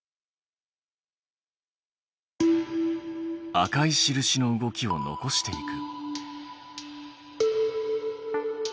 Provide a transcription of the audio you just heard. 赤い印の動きを残していく。